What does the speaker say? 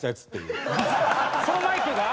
そのマイクが？